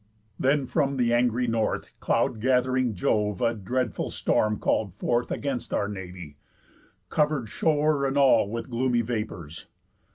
Then from the angry North Cloud gath'ring Jove a dreadful storm call'd forth Against our navy, cover'd shore and all With gloomy vapours.